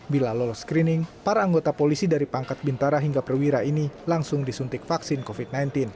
bila lolos screening para anggota polisi dari pangkat bintara hingga perwira ini langsung disuntik vaksin covid sembilan belas